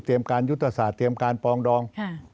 การยุทธศาสตร์เตรียมการปองดอง